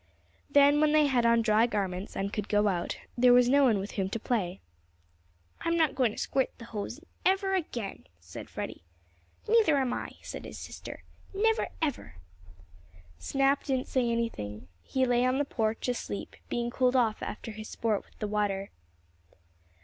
Then, when they had on dry garments, and could go out, there was no one with whom to play. "I'm not going to squirt the hose ever again," said Freddie. "Neither am I," said his sister. "Never, never!" Snap didn't say anything. He lay on the porch asleep, being cooled off after his sport with the water.